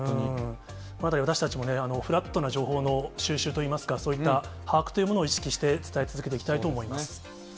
私たちもフラットな情報の収集といいますか、そういった把握というものを意識して、伝え続けていきたいと思います。